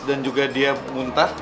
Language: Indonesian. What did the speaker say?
dan juga dia muntah